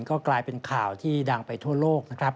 ก็กลายเป็นข่าวที่ดังไปทั่วโลกนะครับ